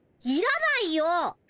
いらないよ。